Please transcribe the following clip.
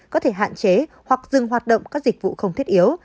có thể hạn chế hoặc dừng hoạt động các dịch vụ không thiết yếu